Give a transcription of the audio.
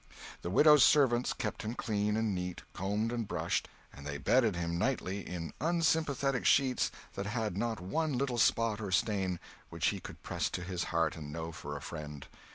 The widow's servants kept him clean and neat, combed and brushed, and they bedded him nightly in unsympathetic sheets that had not one little spot or stain which he could press to his heart and know for a friend.